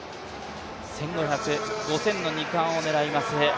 １５００、５０００の２冠を狙います